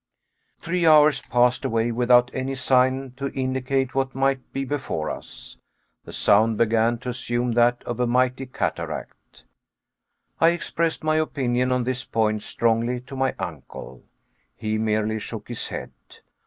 Three hours passed away without any sign to indicate what might be before us. The sound began to assume that of a mighty cataract. I expressed my opinion on this point strongly to my uncle. He merely shook his head.